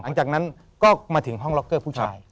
หลังจากนั้นก็มาถึงห้องล็อกเกอร์ผู้ชาย